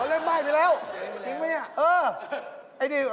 เอาเรื่องไหม้ไปแล้วจริงไหมเนี่ยเออ